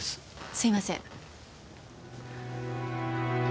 すみません。